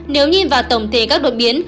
nếu nhìn vào tổng thể các đột biến